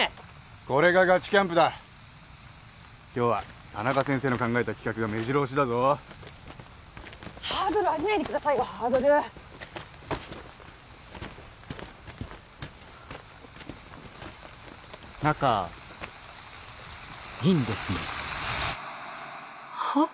これがガチキャンプだ今日は田中先生の考えた企画がめじろ押しだぞハードル上げないでくださいよハードル！はあ仲いいんですねはっ！？